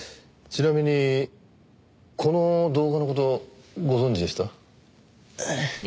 ちなみにこの動画の事ご存じでした？